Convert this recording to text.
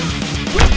lo sudah bisa berhenti